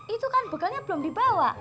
itu kan begalnya belum dibawa